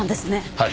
はい。